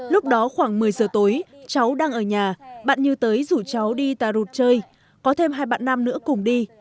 lúc đó khoảng một mươi giờ tối cháu đang ở nhà bạn như tới rủ cháu đi tà rụt chơi có thêm hai bạn nam nữa cùng đi